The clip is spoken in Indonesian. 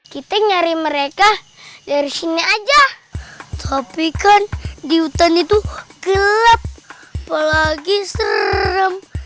kita nyari mereka dari sini aja tapi kan di hutan itu gelap apalagi serem